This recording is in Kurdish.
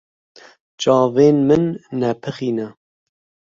Çavên min nepixîne.